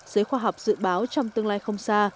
giới khoa học dự báo trong tương lai không xa